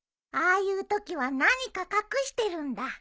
ああいうときは何か隠してるんだ。